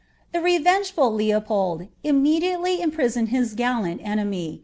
Tiie revengeful Leopold inunediatety imprisoned his gallant eaeoir.